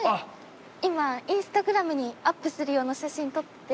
今インスタグラムにアップする用の写真撮って。